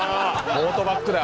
トートバッグだ。